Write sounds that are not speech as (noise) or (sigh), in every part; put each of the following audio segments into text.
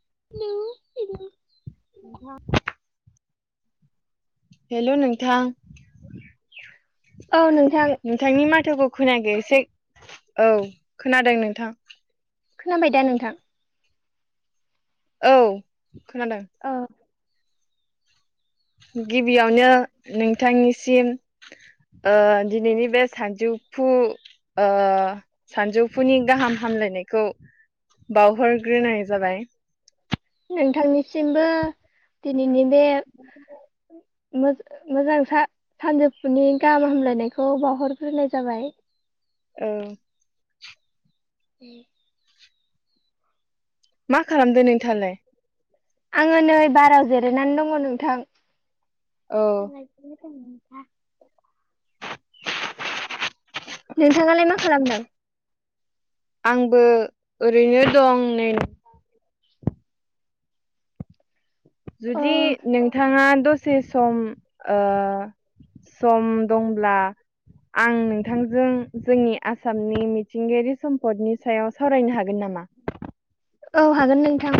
(unintelligible) (unintelligible) Hello नोंथां औ नोंथां नोंथांनि माथोखौ खोनायाखै एसे औ खोनादों नोंथां खोनाबाय दा नोंथां औ खोनादों औ गिबियावनो नोंथांनिसिम ओ दिनैनि बे सानजौफु ओ सानजौफुनि गाहाम हामलायनायखौ बावहरग्रोनाय जाबाय नोंथांनिसिमबो दिनैनि बे (inaudible) मोज मोजां सा सानजौफुनि गाहाम हामलायनायखौ बावहरग्रोनाय जाबाय ओं उम मा खालामदो नोंथाङालाय आङो नै बाराव जिरायनानै दङ नोंथां औ (unintelligible) नोंथाङालाय मा खालामदों आंबो ओरैनो दं नै अ जुदि नोंथाङा दसे सम ओ सम दंब्ला आं नोंथांजों जोंनि आसामनि मिथिंगायारि सम्पदनि सायाव सावरायनो हागोन नामा? (inaudible) औ हागोन नोंथां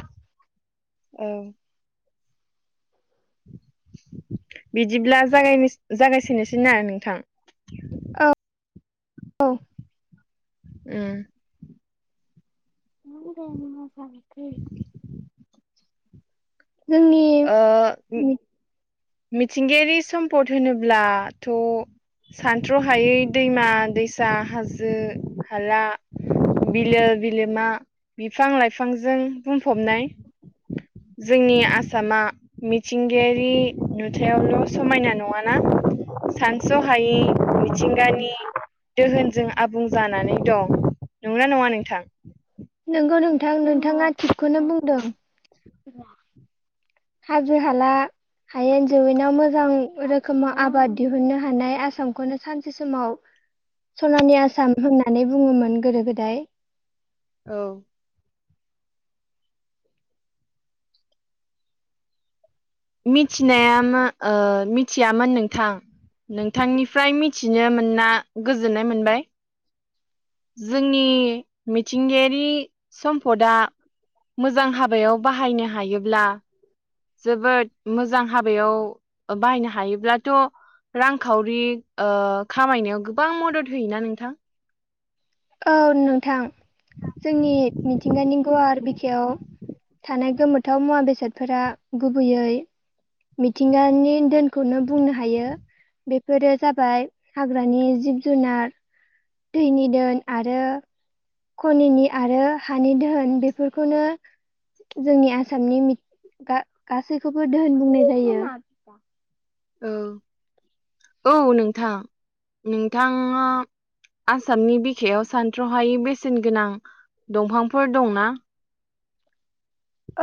ओं बिदिब्ला जागायनोस जागायसोनोसैना नोंथां। ओ औ उम माहोनदों माजाखो ओ मिथिंगायारि सम्पद होनोब्लाथ' सानथ्र' हायै दैमा दैसा हाजो हाला बिलो बिलोमा बिफां लाइफांजों बुंफबनाय। जोंनि आस सामा मिथिंगायारि नुथायावल' समायना नङाना सानस'हा हायै मिथिंगानि दोहोनजों आबुं जानानै दं। नंगौना नङा नोंथां? नोंगौ नोंथां नोंथाङा थिगखौनो बुंदों। हाजो हाला हायेन जौैवेनाव मोजां रोखोमाव आबाद दिहुननो हानाय आसामखौनो सानसे समाव सनानि आसाम होननानै बुङोमोन गोदो गोदाय। औ मिथिनाया मा ओ मिथियामोन नोंथां। नोंथांनिफ्राय मिथिनो मोनना गोजोननाय मोनबाय। जोंनि मिथिंगायारि सम्पदआ मोजां हाबायाव बाहायनो हायोब्ला जोबोद मोजां हाबायाव बाहायनो हायोब्लाथ' रांखावरि ओ खामायनायाव गोबां मदद होयोना नोंथां? औ नोंथां जोंनि मिथिंगानि गुवार बिखायाव थानाय गोमोथाव मुवा बेसादफोरा गुबैयै मिथिंगानि दोनखौनो बुंनो हायो। बेफोरो जाबाय हाग्रानि जिब जुनार दैनि दोन आरो खनिनि आरो हानि धोहोन बेफोरखौनो जोंनि आसामनि मि गा गासैखौबो दोहोन बुंनाय जायो। औ औ नोंथां नोंथाङा आसामनि बिखायाव सानथ्र'हायै बेसेन गोनां दंफांफोर दंना?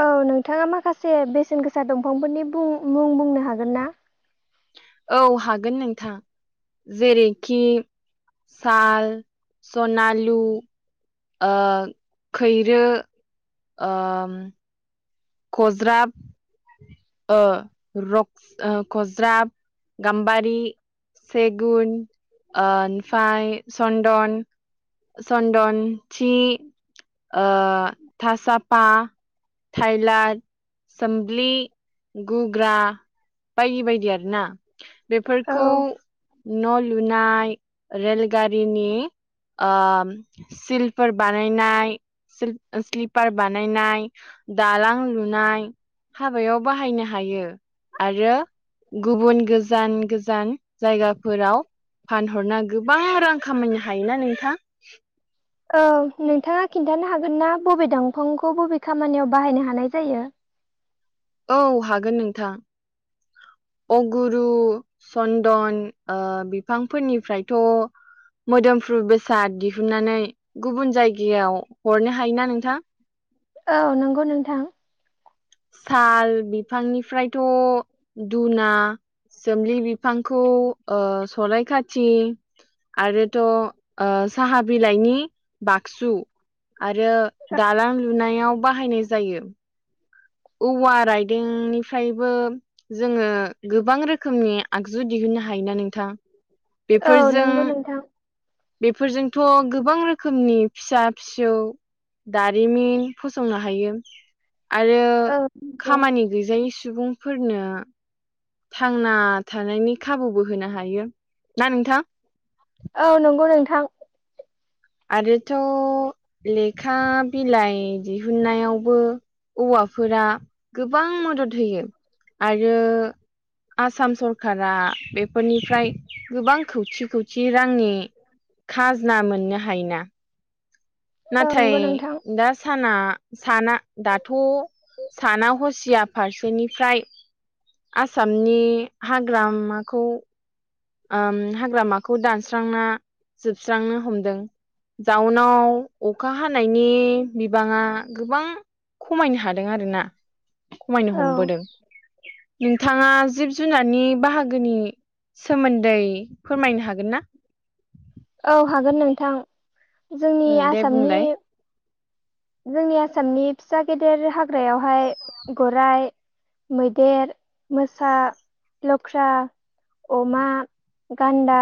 औ नोंथाङा माखासे बेसेन गोसा दंफांफोरनि बुं मुं बुंनो हागोन ना? औ हागोन नोंथां। जेरैखि साल सनालु ओ खैरो ओम खज्राब ओ रक ओ खज्राब गाम्बारि सेगुन ओनफाय सन्दन सन्दन थि ओ थासाफा थाइलारद सोम्लि गुग्रा बायदि बायदि आरोना बेफोरखौ औ न' लुनाय रेलगारिनि ओम सिलफोर बानायनाय सिल ओ स्लिपार बानायनाय दालां लुनाय हाबायाव बाहायनो हायो आरो गुबुन गोजान गो जान जायगाफोराव फानहरना गोबां रां खामायनो हायोना नोंथां? औ नोंथाङा खिन्थानो हागोन ना बबे दंफांखौ बबे खामानियाव बाहायनो हानाय जायो? औ हागोन नोंथां। अगुरु चन्दन ओ बिफांफोरनिफ्रायथ' मोदोमफ्रु बेसाद दिहुननानै गुबुन जायगायाव हरनो हायोना नोंथां औ नंगौ नोंथां साल बिफांनिफ्रायथ' दुना। जोमलि बिफांखौ ओ सलाय खाथि आरोथ'। ओ साहा बिलाइनि बाक्सु आरो दालां लुनायाव। बाहायनाय जायो। औवा राइदिंनिफ्रायबो। जोङो गोबां रोखोमनि आगजु दिहुननो हायोना नोंथां? औ बेफोरजों नंगौ नोंथां। बेफोरजोंथ' गोबां रोखोमनि फिसा फिसौ। दारिमिन फसंनो हायो आरो औ नंगौ खामानि गैजायै सु सुबुंफोरनो थांना थानायनि खाबुबो होनो हायो ना नोंथां? औ नंगौ नोंथां। आरोथ' लेखा बिलाइ दिहुननायाव औवाफोरा गोबां मदद होयो आरो। आसाम सरकारा बेफोरनिफ्राय गोबां खौथि खौथ थि रांनि खाजना मोननो हायोना? औ नाथाय नंगौ नोंथां दा साना साना दाथ' साना हसिया फारसेनिफ्राय आसामनि हाग्रामाखौ ओम हाग्रामाखौ दानस्रांना जोबस्रांनो हमदों। दाउनाव अखा हानायनि बिबाङा गोबां खमायनो हादों आरो ना खमायनो औ हमबोदों नों बिथाङा जिब जुनारनि बाहागोनि। सोमोन्दै फोरमायनो हागोन ना? औ हागोन नोंथां जोंनि ओ दे आसामनि बुंलाय जोंनि आसामनि फिसा गेदेर हाग्रायावहाय गराइ मैदेर मोसा लख्रा अमा गान्दा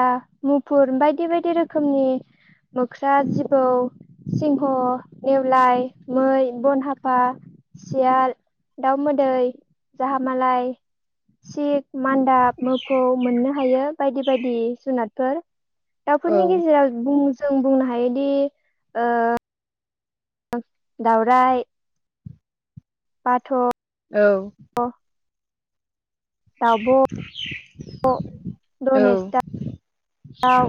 मुफुर बायदि बायदि रोखोमनि मोख्रा जिबौ सिंह नेेवलाय मै बन हाफा सियाल दाउ मोदै जाहा मालाय सिख मान्दाब मोफौ मोननो हायो बायदि बायदि जुनादफोर औ दाउफोरनि गेजेराव बु जों बुंनो हायोदि ओ दावराय बाथ' औ दावब'ब' औ दनेसदाव दाउ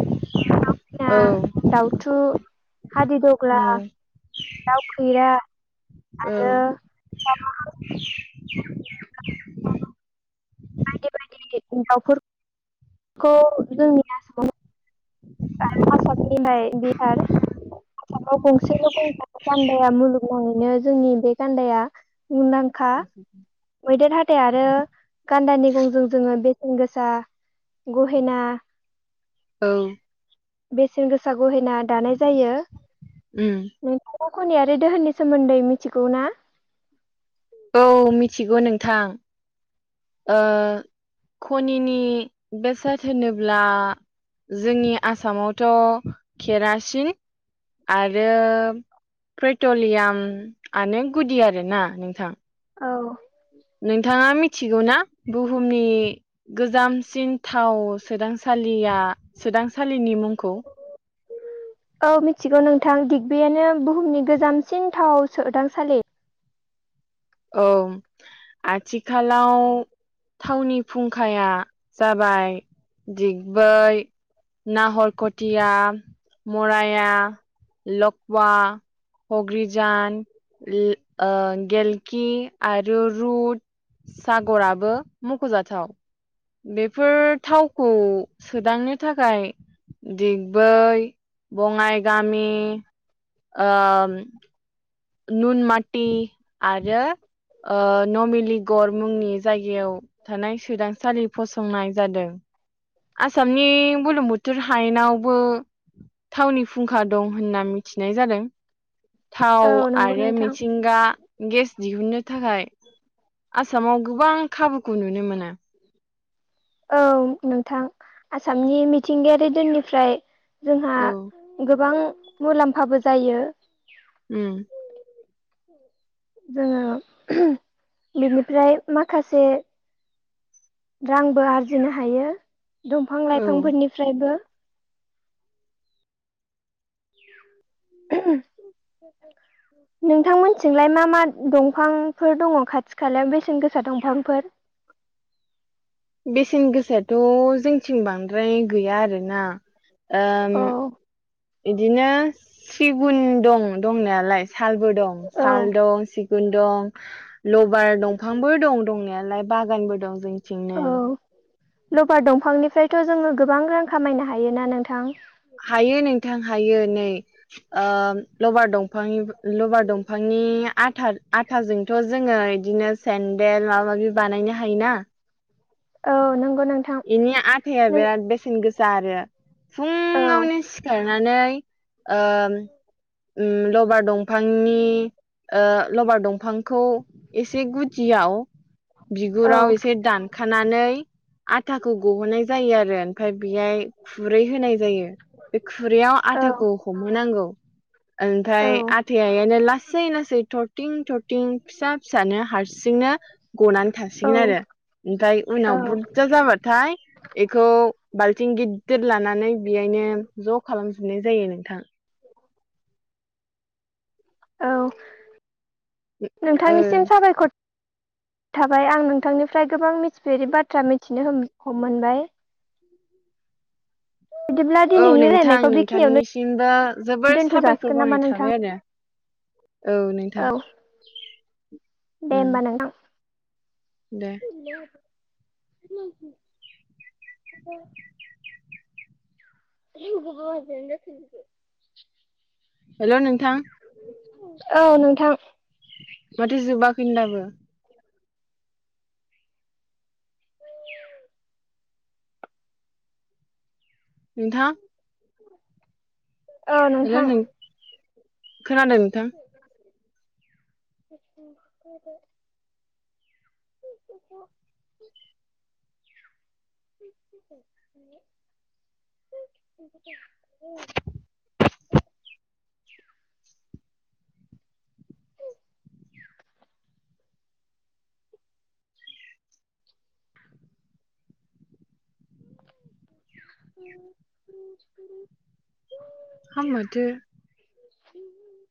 दाउसिना औ दाउथु हादिदग्ला औ दाउ खैरा आरो औ (unintelligible) बायदि बायदि दाउफोर-खौ जोंनि आसामाव (unintelligible) बिहार आसामाव गंसेल' गंथानाय गान्दाया मुलुगनाङैनो जोंनि बे गान्दाया मुंदांखा मैदेर हाथाय आरो गान्दा निगंजों जोंङो बेसेन गोसा गहेना औ बेसेन गोसा गहेना दानाय जायो। ओम फावख'नि आरो दोहोननि सोमोन्दै मिथिगौ ना? औ मिथिगौ नोंथां ओ खनिनि बेसाद होनोब्ला जोंनि आसामावथ' केरासिन आरो पेट्रलियामआनो गुदि आरोना नोंथां औ नोंथाङा मि थिगौ ना बुहुमनि गोजामसिन थाव सोदांसालिया आ सोदांसालिनि मुंखौ औ मिथिगौ नोंथां दिग्बियानो बुहुमनि गोजामसिन थाव सोदांसालि औ आथिखालाव थावनि फुंखाया जाबाय दिग्बै नाहरखथिया मराया लकवा हग्रिजान (unintelligible) ओ गेल ए आरो रुद सागराबो मख'जाथाव बेफोर थावखौ सोदांनो थाखाय दि बै बङाइ गामि ओम नुन माटि आरो ओ नमिलिगर मुंनि जायगायाव थानाय सोदांसालि फसंनाय जादों। आसामनि बुलुम बुथुर हायेनावबो थावनि फुंखा दं होनना मिथिनाय जादों। थाव औ नंगौ आरो नोंथां मिथिंगा गेस (inaudible) सामाव गोबां खाबुखौ नुनो मोनो। औ नोंथां आसामनि मिथिंगायारि दोननिफ्राय जोंहा औ गोबां मुलाम्फाबो जायो। उम जोङो बिनिफ्राय माखासे रांबो आरजिनो हायो दंफां औ लाइफांफोरनिफ्रायबो (unintelligible) (inaudible) नोंथांमोनथिंलाय मा मा दंफांफोर दङ खाथि खालायाव बेसेन गोसा दंफांफोर (inaudible) बेसेन गोसायाथ' जोंथिं बांद्राय गैया आरोना ओम औ बिदिनो सिगुन दं दंनायालाय सालबो दं औ साल दं सिगुन दं लबार दंफांबो दं दंनायालाय बागानबो दं जोंथिं नो लभार दंफांनिफ्रायथ' जोङो गोबां रां खामायनो हायोना नोंथां हायो नोंथां हायो नै ओ लबार दं फांनि लबार दंफांनि आथा आथाजोंथ' जोङो इदिनो सेन्देल माबा माबि बानायनो हायोना औ नों इनि आथाया बिराद बेसेन गोसा आरो औ फुंआवनो सिखारनानै ओम उम लबार दंफांनि ओ लबार दंफांखौ एसे गुदियाव बिगुराव औ एसे दानखानानै आथाखौ गहोनाय जायो आरो। फाय बेयाय खुरै होनाय जायो बे खुरैयाव आथाखौ हमहोनांगौ। ओमफाय औ आथाया एहायनो लासै लासै थरथिं थरथिं फिसा फिसानो हारसिंनो गनानै थासिगोन आरो। ओमफाय औ उनाव बुर थाय एखौ बाल्थिं गिददिर लानानै बेयायनो ज' खालामजोबनाय जायो। थां औ ओ नोंथांनिसिम साबायखर (inaudible) थाबाय आं नोंथांनिफ्राय गोबां मिथिफेरै बाथ्रा मिथिनो हम मोनबाय। बिदिब्ला औ दिनैनि नोंथां रायलायनायखौ बेखिनियावनो नोंथांनिसिमबो जोबोर दोनथ' साबायखर जासिगोन नामा बावनाय नोंथां थाबाय आरो। औ नोंथां। दे उम होमबा नोंथां। दे (unintelligible) (unintelligible) हेल' नोंथां। औ नोंथां। माथो जोबाखै दाबो नोंथा ओ नोंथां। नों खोनादों नोंथां (unintelligible) (unintelligible) (inaudible) (unintelligible) (unintelligible) हामोथो (unintelligible)